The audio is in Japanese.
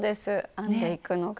編んでいくのが。